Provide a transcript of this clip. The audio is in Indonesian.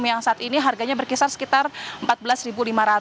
yang saat ini harganya berkisar sekitar rp empat belas lima ratus